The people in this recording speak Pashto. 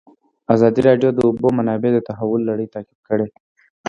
ازادي راډیو د د اوبو منابع د تحول لړۍ تعقیب کړې.